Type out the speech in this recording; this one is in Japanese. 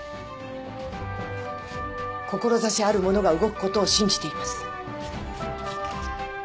志ある者が動くことを信じています。